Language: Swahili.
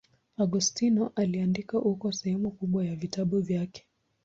Agostino aliandika huko sehemu kubwa ya vitabu vyake.